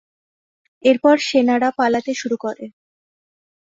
এরপর সেনারা পালাতে শুরু করে।